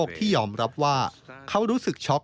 เป็นโลกที่ยอมรับว่าเขารู้สึกชอก